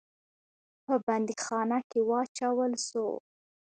په بندیخانه کې واچول سو.